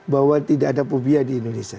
bahwa tidak ada fobia di indonesia